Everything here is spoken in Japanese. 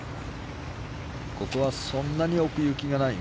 ここはそんなに奥行きがない。